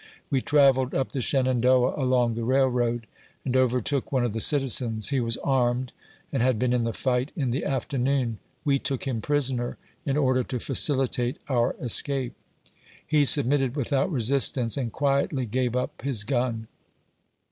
We travelled up the Shenandoah along the railroad, and overtook one of the citizens. He was armed, and had been in the fight in the afternoon. We took him prisoner, in order to facilitate our escape. He submitted without resistance, and quietly gave up his gan.